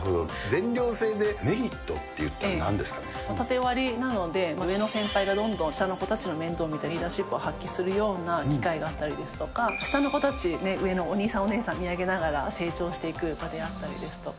全寮制で、縦割りなので、上の先輩がどんどん下の子たちの面倒を見たり、リーダーシップを発揮するような機会があったりですとか、下の子たち、上のお兄さん、お姉さん、見上げながら成長していく場であったりですとか。